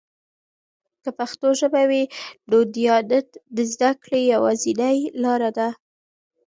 که پښتو ژبه وي، نو دیانت د زده کړې یوازینۍ لاره ده.